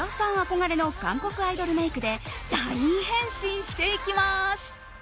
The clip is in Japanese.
憧れの韓国アイドルメイクで大変身していきます！